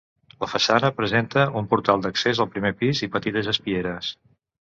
La façana presenta un portal d'accés al primer pis i petites espieres.